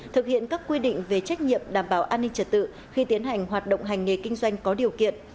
thực hiện các quy định về trách nhiệm đảm bảo an ninh trật tự khi tiến hành hoạt động hành nghề kinh doanh có điều kiện